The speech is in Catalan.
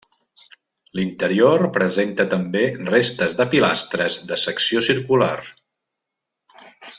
L'interior presenta també restes de pilastres de secció circular.